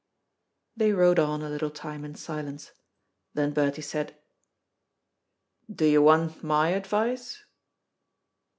They rode on a little time in silence. Then Bertie said, "Do you want my advice?"